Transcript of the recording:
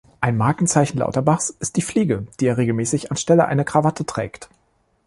Ein Markenzeichen Lauterbachs ist die Fliege, die er regelmäßig anstelle einer Krawatte trägt.